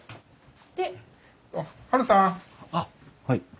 あっはい。